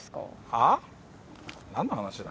はぁ？何の話だ。